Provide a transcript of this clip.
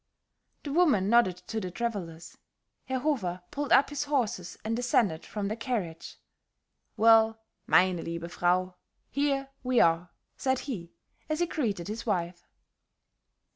The woman nodded to the travelers; Herr Hofer pulled up his horses and descended from the carriage. "Well, meine liebe frau, here we are," said he, as he greeted his wife.